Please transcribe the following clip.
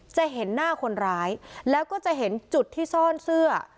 จะเห็นหน้าคนร้ายแล้วก็จะเห็นจุดที่ซ่อนเสื้อ